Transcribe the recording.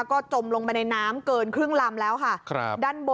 ก็จมลงไปในน้ำเกินครึ่งลำแล้วค่ะ